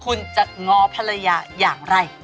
คุณจะง้อภรรยาอย่างไร